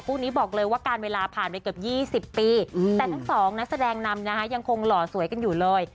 คู่นี้บอกเลยว่าการเวลาผ่านไปเกือบ๒๐ปีแต่ทั้งสองนักแสดงนำนะคะยังคงหล่อสวยกันอยู่เลย